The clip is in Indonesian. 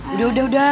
udah udah udah